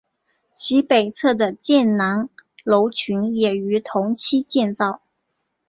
其北侧的建南楼群也于同期建造。